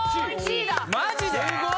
マジで？